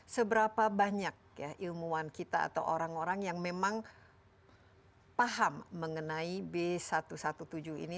seberapa banyak ya ilmuwan kita atau orang orang yang memang paham mengenai b satu ratus tujuh belas ini